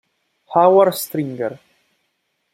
Howard Stringer